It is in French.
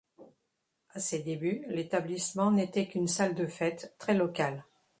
À ses débuts, l'établissement n'était qu'une salle de fêtes très locale.